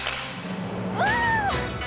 うわ！